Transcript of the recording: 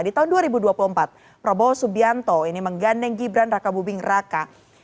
di tahun dua ribu dua puluh empat prabowo subianto ini menggandeng gibran raka buming raka